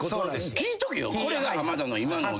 聞いとけよ。